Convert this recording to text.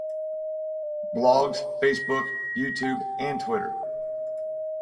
Blogs, Facebook, YouTube and Twitter.